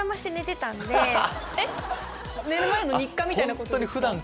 えっ寝る前の日課みたいなことですか？